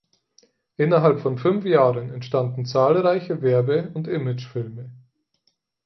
Innerhalb von fünf Jahren entstanden zahlreiche Werbe- und Imagefilme.